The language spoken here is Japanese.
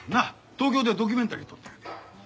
東京ではドキュメンタリー撮ったんやて。